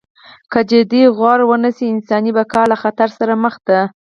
که جدي غور ونشي انساني بقا له خطر سره مخ ده.